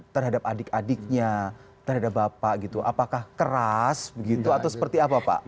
terhadap adik adiknya terhadap bapak gitu apakah keras begitu atau seperti apa pak